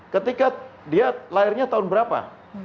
ketika dia lahirnya tahun berapa